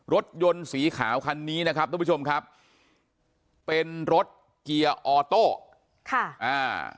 รถยนต์สีขาวคันนี้นะครับทุกผู้ชมครับเป็นรถเกียร์ออโต้ค่ะอ่า